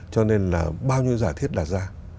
cho nên là bao nhiêu giả thiết đặt ra